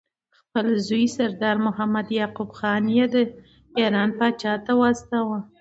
خپل زوی سردار محمد یعقوب خان یې ایران پاچا ته واستاوه.